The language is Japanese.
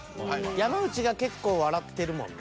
山内が結構笑ってるもんね。